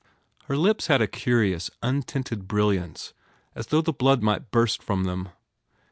Her lips had a curious, untinted brilliance as though the blood might burst from them.